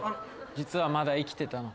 実はまだ生きてたの。